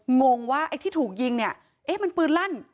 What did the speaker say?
งงว่าไอ้ที่ถูกยิงเนี่ยเอ๊ะมันปืนลั่น